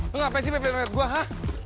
lo ngapain sih bebel bebel gue ha